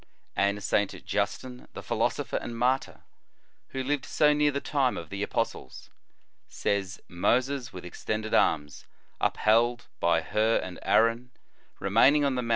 ^ And St. Justin, the philosopher and martyr, who lived so near the time of the apostles, says: "Moses with extended arms, upheld by Hur and Aaron, remaining on the mountain * Exod.